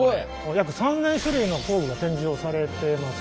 約３，０００種類の工具が展示をされてます。